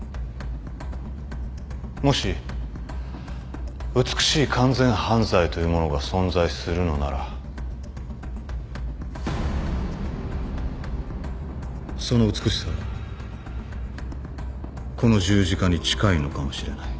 もし美しい完全犯罪というものが存在するのならその美しさはこの十字架に近いのかもしれない。